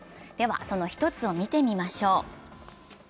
その一つを見てみましょう。